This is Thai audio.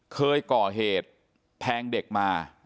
เคยก่อเหตุแทงเด็กมา